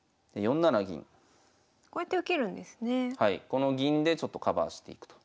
この銀でちょっとカバーしていくと。